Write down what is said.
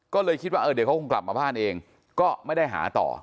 ก็เลยคิดว่าเดี๋ยวเขาคงกลับมาบ้านเองก็ไม่ได้หาต่อ